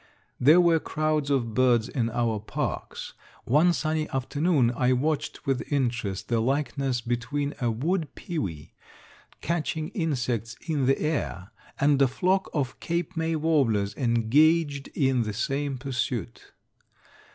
There were crowds of birds in our parks. One sunny afternoon I watched with interest the likeness between a wood pewee, catching insects in the air, and a flock of Cape May warblers engaged in the same pursuit.